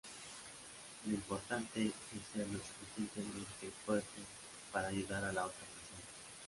Lo importante es ser lo suficientemente fuerte para ayudar a la otra persona".